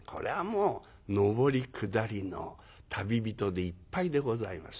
もう上り下りの旅人でいっぱいでございますな。